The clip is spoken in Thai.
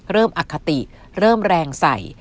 เริ่มอคติเริ่มแรงใส่